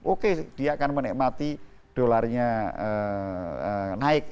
oke dia akan menikmati dolarnya naik